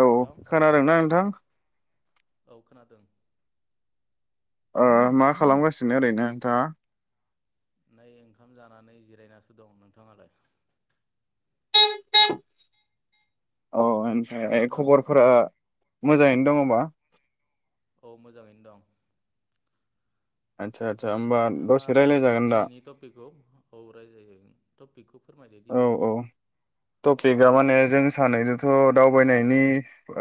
औ खोनादोंना नोंथां। औ खोनादों। ओ मा खालामगासिनो ओरैनो नोंथाङा? नै ओंखाम जानानै जिरायनासो दं नोंथाङालाय? औ। ओमफाय खबरफोरा मोजाङैनो दङबा। औ मोजाङैनो दं। औ नोंथाङा फोरमायदो दिनैनि टपिकखौ। औरायजाय जायो टपिकखौ बु औ औ टपिकआ माने जों सानैजोंथ' दावबायनायनि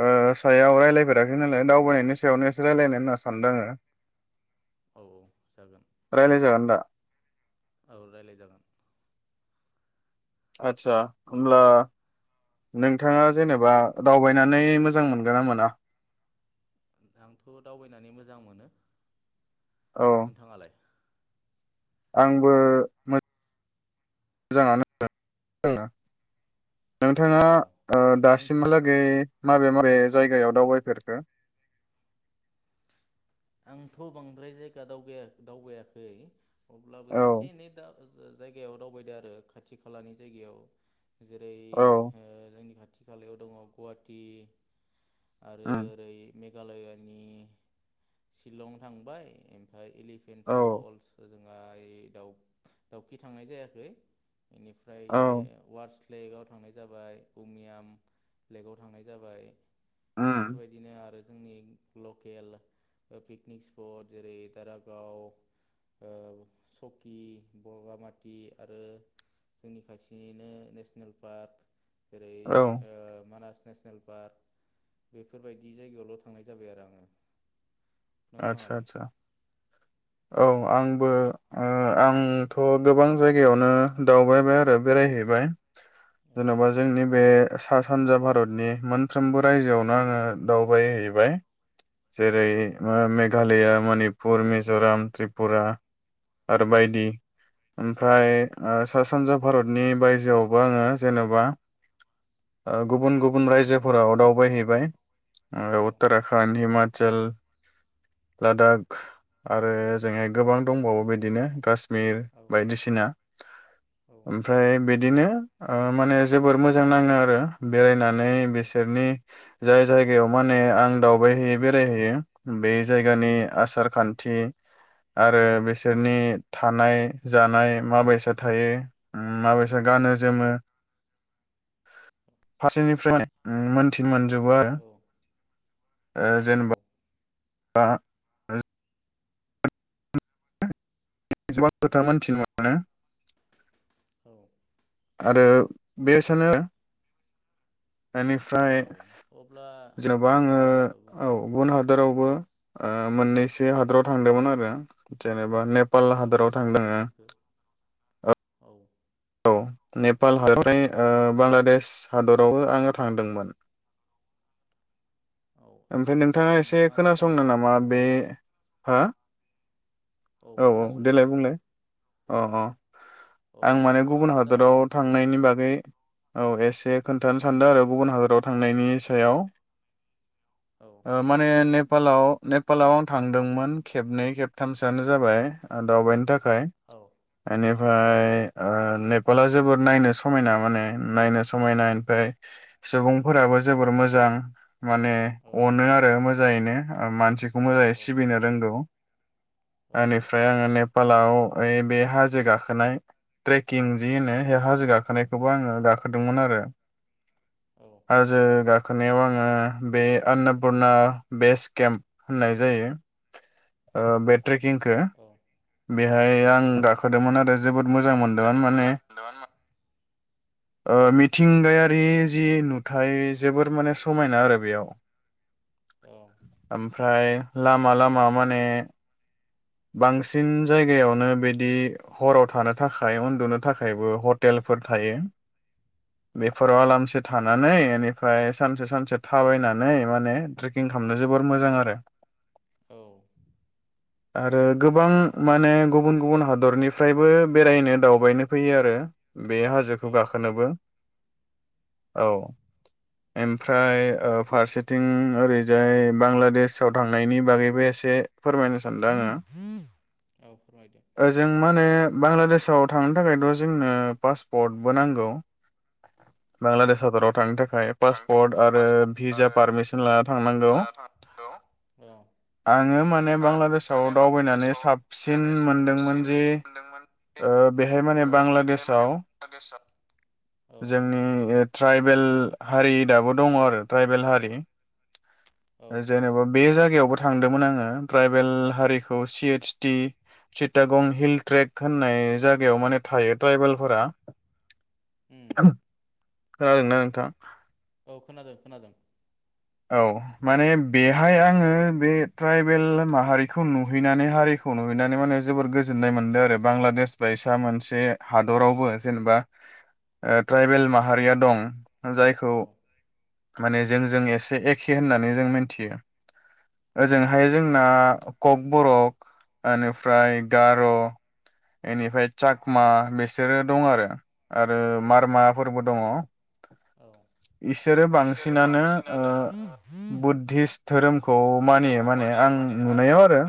ओ सायाव रायलायफेराखै नालाय दावबायनायनि सायावनो एसे रायलायनो होनना सानदों आङो। रायलाय जागोन दा। औ रायलाय जागोन। आदसा होमब्ला नोंथाङा जेनेबा दावबायनानै मोजां मोनगोन ना मोना? आंथ' दावबायनानै मोजां मोनो। नोंथाङालाय? आंबो मो जाङानो मोनो। नोंथाङा ओ दासिमहालागै माबे माबे जायगायाव दावबायफेरखो? आंथ' बांद्राय जायगा दाव दावबायाखै। अब्लाबो एसे एनै दा ओ जायगायाव दावबायदों आरो खाथि खालानि जायगायाव जेरै औ। जोंनि खाथि खालायाव दङ गुवाहाटि आरो ओरै मेघालयानि शिलं थांबाय ओमफाय एलिफेन्ट फल्स जोंहा ओइ दाउक दाउखि थांनाय जायाखै। बेनिफ्राय बिदिनो वार्स लेकआव थांनाय जाबाय, उमियाम लेकआव थांनाय जाबाय। बेफोरबायदिनो आरो जोंनि लकेल ओ पिकनिक स्पट जेरै दारागाव, ओ सकि, बगामाथि आरो जोंनि खाथिनिनो नेसनेल पार्क जेरै ओ मानास नेसनेल पार्क बेफोरबायदि जायगायावल' थांनाय जाबाय आरो आङो। आतसा आतसा। औ आंबो ओ आंथ' गोबां जायगायावनो दावबायबाय आरो बेरायहैबाय। जेनेबा जोंनि बे सा सानजा भारतनि मोनफ्रोमबो रायजोआवनो आङो दावबायहैबाय जेरै ओ मेघालया, मनिपुर, मिज'राम, त्रिपुरा आरो बायदि। ओमफ्राय ओ सा सानजा भारतनि बायजोआवबो आङो जेन'बा ओ गुबुन गुबुन रायजोफोराव दावबायहैबाय ओ उतराखान्ड, हिमा चल लादाख आरो जोङो गोबां दंबावो बिदिनो कास मिर बायदिसिना। ओमफ्राय बिदिनो ओ माने जोबोर मोजां नाङो आरो बेरायनानै बिसोरनि जाय जायगायाव माने आं दावबायहैयो बेरायहैयो बे जायगानि आसार खान्थि आरो बिसोरनि थानाय, जानाय, माबायसा थायो ओ माबेसे गानो जोमो, फारसेनिफ्राय ओ मोनथि जोबो आरो ओ जेनेबा दा जों इसेबां खोथा मोनथिनो मोनो औ आरो बे सानो एनिफ्राय जेनबा आङो औ गुबुन हादरावबो ओ मोननैसो हादराव थांदोंमोन आरो जेनेबा नेप औ मा मायाव थांखो? औ औ नेपाल हादरफ्राय बांलादेश हादरावबो आङो थांदोंमोन। ओमफाय नोंथाङा एसे खोनासंनो नामा बे हो औ औ देलाय बुंलाय अ' अ' आं माने गुबुन हादराव थांनायनि बागै औ एसे खोन्थानो सानदों आरो गुबुन हादराव थांनायनि सायाव ओ माने नेप पालाव नेपालाव आं थांदोंमोन खेबनै खेबथामसोआनो जाबाय ओ दावबायनो थाख खाय एनिफ फ्राय ओ नेपाला जोबोर नायनो समायना माने नायनो समायना एनफाय सुबुंफोराबो जोबोर मोजां। माने अ'नो आरो मोज जायनो ओ मानसि खौ मोजाङै सिबिनो रोंगौ। एनिफ्राय आङो नेप फालाव ए बे हाजो गाखोनाय ट्रेकिं जि होनो बे हाजो गाखोनायखौबो आङो गाखोदोंमोन आरो। हाजो गाख खोनाव आङो बे आननापुरना बेस केम्प होननाय जायो। ओ बे ट्रेकिंखो बेहाय आं गाखोदोंमोन आरो जोबोद मोजां मोनदोंमोन माने ओ मिथिंगायारि जि नुथाय जोबोर माने समायना आरो बेयाव ओमफ्राय लामा लामा माने बांस सिन जायगायावनो बिदि हराव थानो थाखाय उन्दुनो थाखायबो हटेलफोर थायो‌। बेफोराव आरामसे थानानै बेनिफ्राय सानसे सानसे थाबायनानै माने ट्रेकिं खालामनो जोबोर मोजां आरो। औ आरो गोबां माने गुबुन गुबुन हादरनिफ्रायबो बेरायनो दावबायनो फैयो आरो। बे हाजोखौ गाखोनोबो औ ओमफ्राय ओ फारसेथिं ओरैजाय बांगलादेशआव थांनायनि बागैबो एसे फोरमायनो सानदों आङो। ओजों माने बांलादेश आव थांनो थाखायथ' जोंनो पासपर्टबो नांगौ, बांलादेश हादराव थांनो था ओमप्राय पासपर्ट आरो भिजा पारमिसन लाना थांनांगौ। आङो माने बांग्लादेसाव दावबाइनानै साबसिन मोनदोंमोन जे, ओ बेहाय माने बांलादेशआव [inaudible] जोंनि ओ ट्राइबेल हारि दाबो दङ आरो, ट्राइबेल हारि। ओ जेनेबा बे जाय गायावबो थांदोंमोन आङो ट्राइबेल हारिखौ C H T Chittagong hill tract होननाय जायगायाव माने थायो ट्राइबेलफोरा। उम। खोनादों ना नोंथां? औ खोनादों खोनादों। औ माने बेहाय आङो बे ट्राइबेल माहारिखौ नुहैनानै हारिखौ नुहैनानै माने जोबोर गोजोननाय मोनदों आरो बांलादेश बायसा मोनसे हादरावबो जेनेबा ओ ट्राइबेल माहारिया दं। जायखौ माने जों जोंनि एसे से एखे होननानै जों मिनथियो। ओजोंहाय जोंना कक बर'क एनिफ्राय गार' एनिफ्राय चकमा बिसोरो दं आरो। आरो मारमा फोरबो दङ। इसोरो बांसिनानो [unintelligible] धोरोम खौ मानियो माने आं नुनायाव आरो।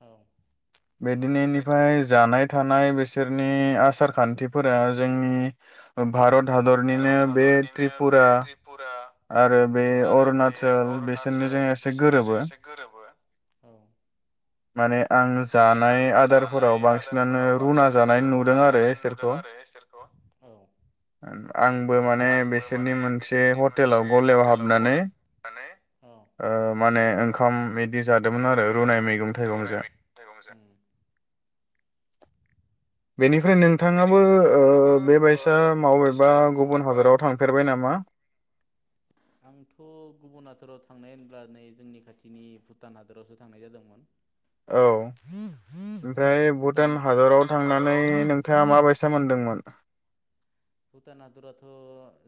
औ। बिदिनिफ्राय जानाय थानाय बिसोरनि आसार खान्थिफोरा जोंनि ओ भारत हादरनिनो बे त्रिपुरा आरो बे अरुणचल बिसोरनिजों एसे गोरोबो। माने- आं जानाय आदारफोराव बांसिनानो रुना जानाय नुदों आरो इसोरखौ आंबो माने बिसोरनि मोनसे हटेलाव गलायाव हाबनानै ओ माने ओंखाम बिदि जादोंमोन। आरो रुनाय मैगं मैगंजो बेनि ओमफ्राय नोंथाङाबो ओ बेबायसा माबेबा गुबुन हादराव थांफेरबाय नामा? आंथ' गुबुन हादराव थांनाय होनब्ला नै जोंनि खाथिनि भुटान हादरावसो थांनाय जादोंमोन। औ ओमफ्राय भुटान हादराव थांनानै नोंथाङा माबायसा मोनदोंमोन? भुटाना हादराथ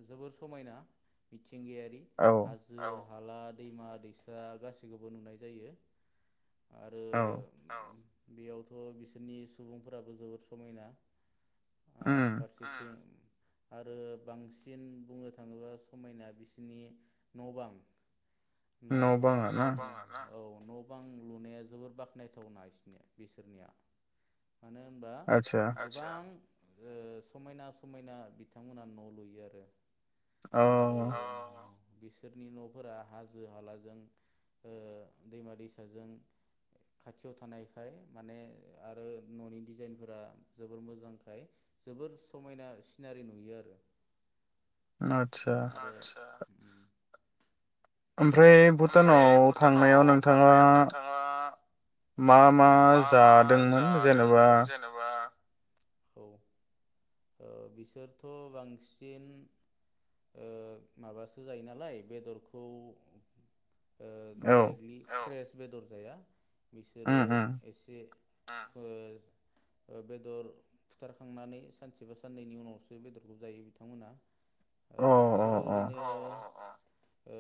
जोबोर समाइना। मिथिंगायारि हाजो औ। हाला दैमा दैसा गासैखौबो नुनाय जायो। आरो औ। बेयावथ' बिसोरनि सुबुंफोराबो जोबोर समायना। आ फारसेथिं आरो बांसिन बुंनो थाङोबा समायना बिसिनि न' बां। न बां। न बाङा ना औ न' बां लुनाया जोबोर बाख्नायथावना बिसिनिया बिसोरनिया। मानो होनबा गोबां ओ समायना समायना बिथांमोना न' लुयो आरो आरो बिसोरनि न'फोरा हाजो हालाजों ओ दैमा दैसाजों खाथियाव थानायखाय माने आरो न'नि डिजाइनफोरा जोबोर मोजांखाय जोबोर समायना। सिनारि नुयो आरो। आदसा। ओमफ्राय भुटानाव थांनायाव नोंथाङा मा मा जादोंमोन? जेनेबा औ ओ बिसोरथ' बांसिन ओ माबासो जायो नालाय बेदरखौ ओ डायरेक्टलि फ्रेस बेदर जाया। बिसोरो एसे ओ ओ बेदर फुथारखांनानै सानसे बा साननैनि उनावसो बेदरखौ जायो बिथांमोना। ओ बिसोरो ओरैनो ओ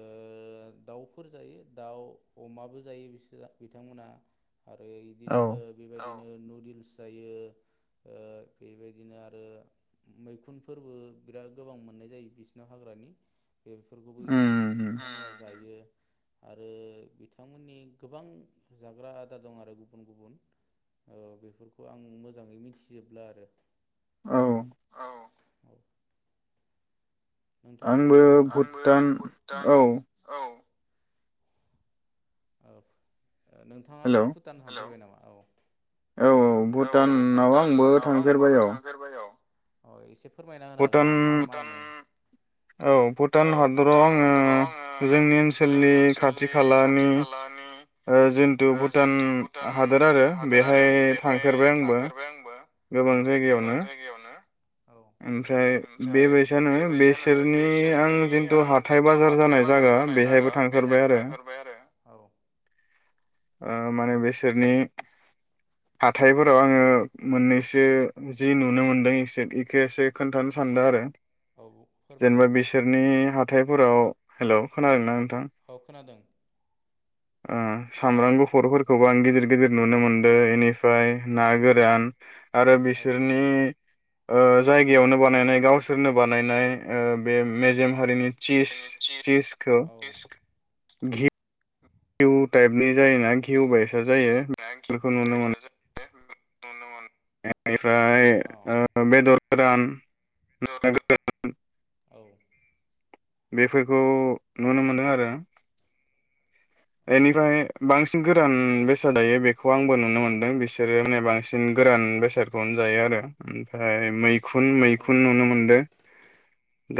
दाउफोर जायो दाउ अमाबो जायो बिसोर बिथांमोना। आरो इदिनो ओ बेबायदिनो नुदोलस जायो ओ बेबायदिनो आरो मैखुनफोरबो बिराद गोबां मोननाय जायो बिसिनाव हाग्रानि। बेफोरखौबो [unintelligible] जायो आरो बिथांमोननि गोबां जाग्रा आदार दं आरो गुबुन गुबुन ओ बेफोरखौ आं मोजाङै मिथिजोबला आरो। औ [inaudible] नोंथाङा मिथिगौनामा? आंबो भुटान औ। औ ओ नोंथाङाबो भुटान [unintelligible] औ औ-औ भुटानाव आंबो थांफेरबाय औ अ एसे फोरमायना होनो हागोन नामा माबा भुटान औ भुटान हादराव आङो जोंनि ओनसोलनि खा खाथि खालानि ओ जिन्टु भुटान हादोर आरो बेहाय थांफेरबाय आंबो औ गोबां जायगायावनो ओमफ्राय बेबायसानो बेसोरनि आं जिन्टु हाथाइ- बाजार जानाय जायगा बेहायबो थांफेरबाय आरो ओ माने बेसोरनि हाथाइफोराव आङो मोननैसो जि नुनो मोनदों एसे इ एखो एसे खोन्थानो सानदो आरो जेनेबा बिसोरनि हा थाइफोराव हेल' खोनादों ना नों औ खोनादों ओ सामब्राम गुफुर फोर गोबां गिदिर गिदिर नुनो मोनदो इनिफ्राय ना गोरान आरो बिसोरनि ओ जायगायावनो बानायनाय गावसोरनो बानायनाय ओ बे मेजेम हारिनि सिस सिसखौ घिहि घिउ टाइपनि जायोना घिउ बाय [unintelligible] नुनो मोन इनिफ्राय ओ बेदर गोरान ना गोरान बेफोरखौ नुनो मोनो आरो इनिफाय बां सिन गोरान बेसादा दायो बेखौ आंबो नुनो मोनदों बिसोरो माने बांसिन गोरान बेसादखौनो जायो आरो ओमफ्राय मै खुन मैखुन नुनो मोनदो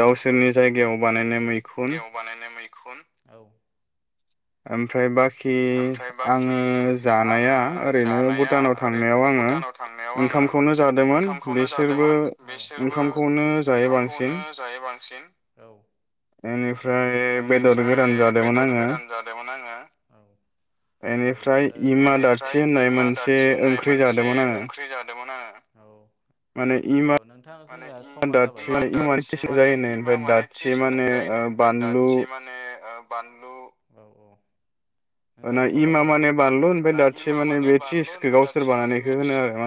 गावसोरनि जायगायाव बानायनाय मैखुन ओमफ्राय बा ओमफ्राय बाखि आङो जानाया ओरैनो भुटानाव थांनायाव आङो ओंखामखौनो जादोमोन बेसोरबो ओंखामखौनो जायो बांसिन औ इनिफ्र ओमफ्राय बेदर गोरान जादोंमोन आङो [unintelligible] बेनिफ्राय इमा दाथि होननाय मोनसे ओंख्रि जादोंमोन आङो माने जाहा समा जाबायमोन [unintelligible] से माने ओ बानलु औ औ [inaudible] इमा माने बानलु ओमफ्राय दाथि माने बे चिसखौ गावसोर बानायखौ होनो आरो माने